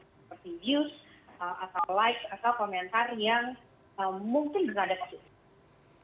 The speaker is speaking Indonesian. seperti views atau likes atau komentar yang mungkin berhadap